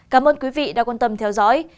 cảm ơn quý vị đã quan tâm theo dõi